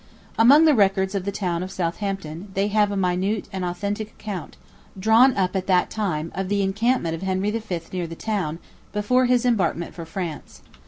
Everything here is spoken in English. Among the records of the town of Southampton, they have a minute and authentic account, drawn up at that time, of the encampment of Henry V. near the town, before his embarkment for France.